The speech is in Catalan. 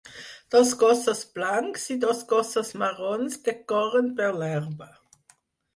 Dos gossos blancs i dos gossos marrons que corren per l'herba.